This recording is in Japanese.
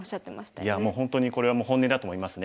いやもう本当にこれは本音だと思いますね。